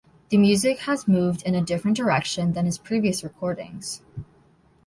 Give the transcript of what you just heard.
The music has moved in a different direction than his previous recordings.